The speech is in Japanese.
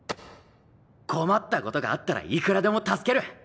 困ったことがあったらいくらでも助ける。